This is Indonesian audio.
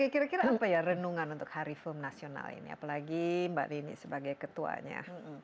kira kira apa ya renungan untuk hari film nasional ini apalagi mbak dini sebagai ketuanya